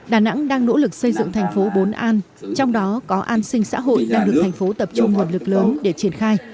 đà nẵng đang nỗ lực xây dựng thành phố bốn an trong đó có an sinh xã hội đang được thành phố tập trung nguồn lực lớn để triển khai